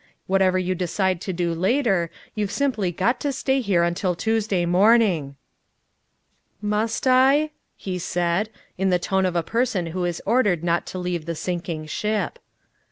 Whatever you decide to do later, you've simply got to stay here till Tuesday morning!" "Must I?" he said, in the tone of a person who is ordered not to leave the sinking ship.